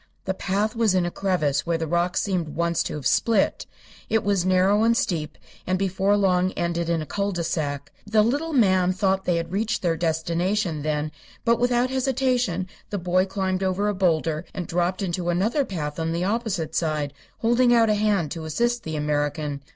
The path was in a crevasse where the rocks seemed once to have split. It was narrow and steep, and before long ended in a cul de sac. The little man thought they had reached their destination, then; but without hesitation the boy climbed over a boulder and dropped into another path on the opposite side, holding out a hand to assist the American.